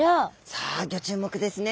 さあギョ注目ですね。